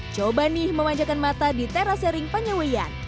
coba nih memanjakan mata di terasering panyawian